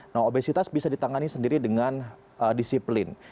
nah obesitas bisa ditangani sendiri dengan disiplin